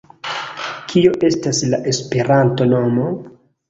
Kio estas la Esperanto-nomo?